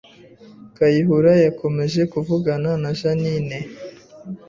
Kayihura yakomeje kuvugana na Jeaninne